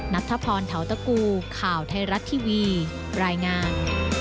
นัทธพรเทาตะกูข่าวไทยรัฐทีวีรายงาน